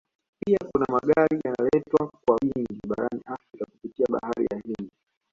Pia kuna Magari yanaletwa kwa wingi barani Afrika kupitia Bahari ya Hindi